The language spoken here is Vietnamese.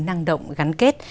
năng động gắn kết